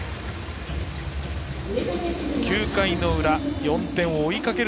９回の裏、４点を追いかける